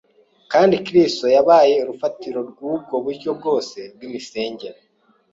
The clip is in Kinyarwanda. kandi Kristo yabaye urufatiro rw’ubwo buryo bwose bw’imisengere.